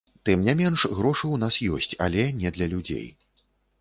Тым не менш, грошы ў нас ёсць, але не для людзей.